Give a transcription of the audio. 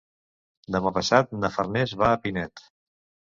Demà passat na Farners va a Pinet.